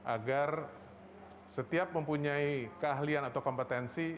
agar setiap mempunyai keahlian atau kompetensi